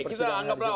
oke kita anggaplah